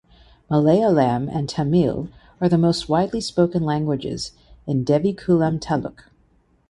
Malayalam and Tamil are the most widely spoken languages in Devikulam taluk.